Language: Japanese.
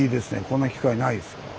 こんな機会ないですから。